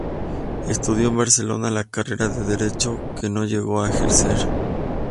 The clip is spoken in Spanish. Estudió en Barcelona la carrera de Derecho, que no llegó a ejercer.